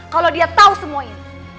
kalau dia tau semuanya